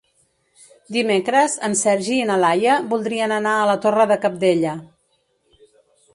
Dimecres en Sergi i na Laia voldrien anar a la Torre de Cabdella.